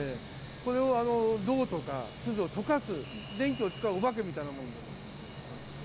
これを銅とかすずを溶かす、電気を使うお化けみたいなもんです。